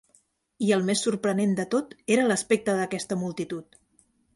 I el més sorprenent de tot era l'aspecte d'aquesta multitud.